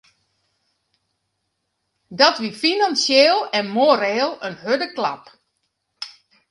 Dat wie finansjeel en moreel in hurde klap.